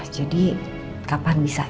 jadi kapan bisa ya